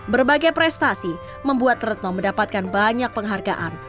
berbagai prestasi membuat retno mendapatkan banyak penghargaan